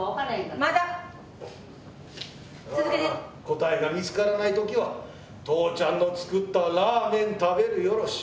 「答えが見つからない時は父ちゃんの作ったラーメン食べるよろし」。